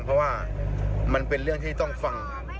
เพราะว่ามันเป็นเรื่องที่ต้องฟัง